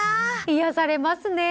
癒やされますね。